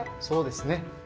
そうですね。